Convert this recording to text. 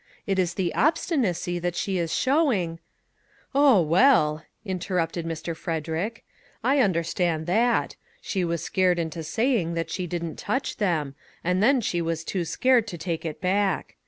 It is the obstinacy that she is showing "" Oh, well," interrupted Mr. Frederick, " I understand that; she was scared into saying that she didn't touch them; and then she was too scared to take it back.